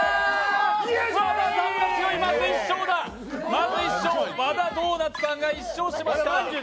まず１勝、和田ドーナツさんが１勝しました。